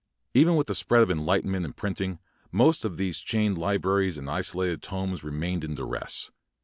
Even with the spread of enlightenment and printing, most of these chained li braries and isolated tomes remained in duress.